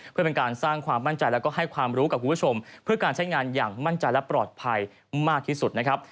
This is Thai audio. เพื่อเป็นการสร้างความมั่นใจแล้วก็ให้ความรู้กับคุณผู้ชมเพื่อการใช้งานอย่างมั่นใจและปลอดภัยมากที่สุดนะครับ